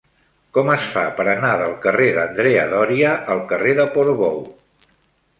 Com es fa per anar del carrer d'Andrea Doria al carrer de Portbou?